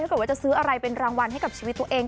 ถ้าเกิดว่าจะซื้ออะไรเป็นรางวัลให้กับชีวิตตัวเอง